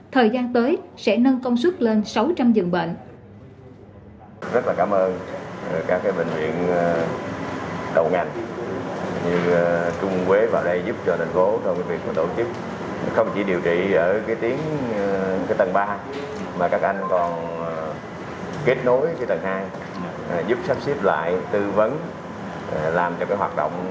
thời gian tới sẽ nâng công suất lên sáu trăm linh dường bệnh